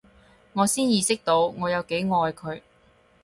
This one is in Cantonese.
我先意識到我有幾愛佢